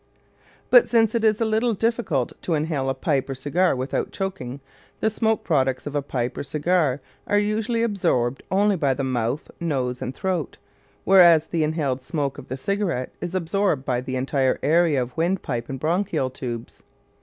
But since it is a little difficult to inhale a pipe or a cigar without choking, the smoke products of a pipe or cigar are usually absorbed only by the mouth, nose, and throat, whereas the inhaled smoke of the cigarette is absorbed by the entire area of windpipe and bronchial tubes.